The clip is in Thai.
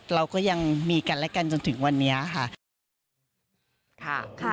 เราก็ยังมีกันและกันจนถึงวันนี้ค่ะ